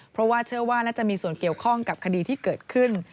เพราะว่าเชื่อว่าน่าจะมีส่วนเกี่ยวข้องกับคดีที่เกิดขึ้น